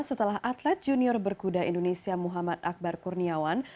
setelah atlet junior berkuda indonesia muhammad akbar kurniawan